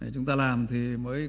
chúng ta làm thì mới